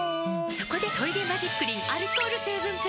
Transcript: そこで「トイレマジックリン」アルコール成分プラス！